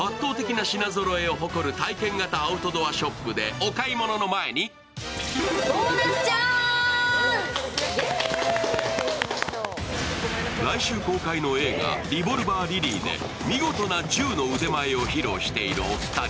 圧倒的な品ぞろえを誇る体験型アウトドアショップでお買い物の前に来週公開の映画「リボルバー・リリー」で見事な銃の腕前を披露しているお二人。